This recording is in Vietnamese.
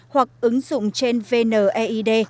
hoặc ứng dụng trên vnid